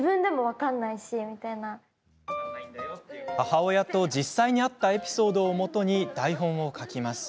母親と実際にあったエピソードをもとに台本を書きます。